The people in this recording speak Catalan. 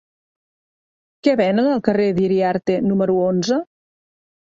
Què venen al carrer d'Iriarte número onze?